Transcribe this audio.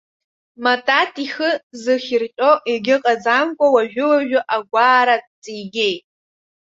Матат ихы зыхирҟьо егьыҟаӡамкәа уажәы-уажәы агәаара ҵигеит.